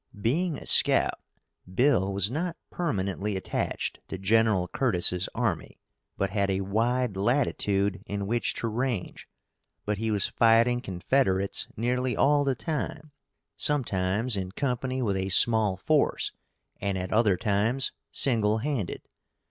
Being a scout, Bill was not permanently attached to Gen. Curtis' army, but had a wide latitude in which to range; but he was fighting Confederates nearly all the time, sometimes in company with a small force and at other times single handed.